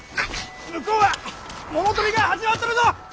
向こうは物取りが始まっとるぞ！